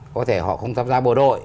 có thể họ không tham gia bộ đội